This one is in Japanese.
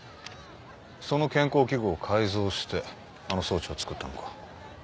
その健康器具を改造してあの装置を造ったのか。